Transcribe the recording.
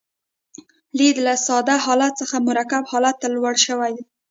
لید له ساده حالت څخه مرکب حالت ته لوړ شوی.